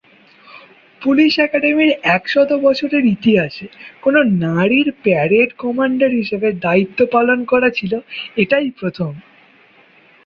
Police একাডেমীর একশত বছরের ইতিহাসে কোন নারীর প্যারেড কমান্ডার হিসেবে দায়িত্ব পালন করা ছিল এটাই প্রথম।